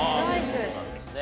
そうなんですね。